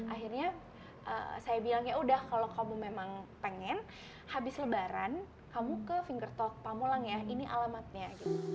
akhirnya saya bilang ya udah kalau kamu memang pengen habis lebaran kamu ke fingertalk pamulang ya ini alamatnya